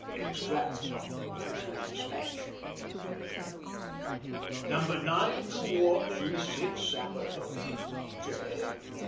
_' EXTRACT FROM OFFICIAL DESPATCH. Number nine two ought three six, Sapper Duffy, J.